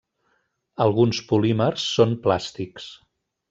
Alguns polímers són plàstics.